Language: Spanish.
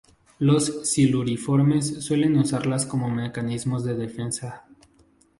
Los siluriformes suelen usarlas como mecanismo de defensa.